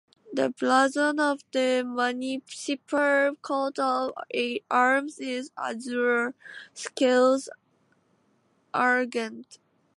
The blazon of the municipal coat of arms is Azure, scales Argent.